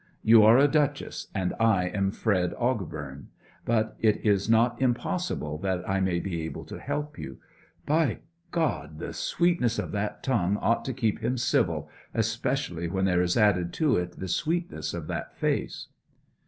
You are a Duchess, and I am Fred Ogbourne; but it is not impossible that I may be able to help you ... By God! the sweetness of that tongue ought to keep him civil, especially when there is added to it the sweetness of that face!'